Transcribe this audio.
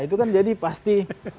itu kan jadi pasti